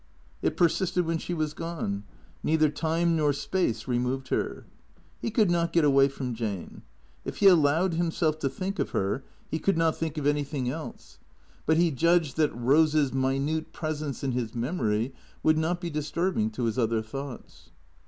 It persisted when she was gone. Neither time nor space re moved her. He could not get away from Jane. If he allowed himself to think of her he could not think of anything else. 47 48 THECEEATOKS But he judged that Eose's minute presence in his memory would not be disturbing to his other thoughts.